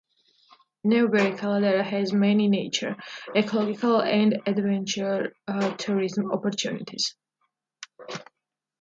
Newberry Caldera has many nature, ecological, and adventure tourism opportunities.